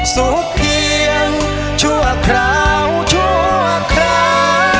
เพียงชั่วคราวชั่วคราว